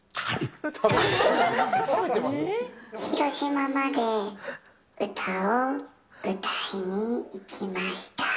広島まで歌を歌いに行きました。